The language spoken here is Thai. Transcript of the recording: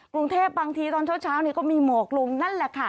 กรุงเทพฯบางทีตอนเช้านี่ก็มีหมวกลงนั่นแหละค่ะ